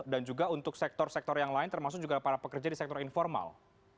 dan juga untuk sektor sektor yang lain termasuk juga para pekerja di sektor informal